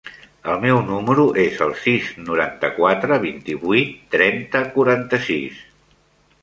El meu número es el sis, noranta-quatre, vint-i-vuit, trenta, quaranta-sis.